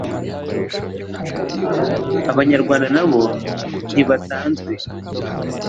Abanyarwanda na bo ntibatanzwe